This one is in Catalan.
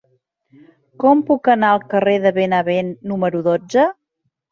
Com puc anar al carrer de Benavent número dotze?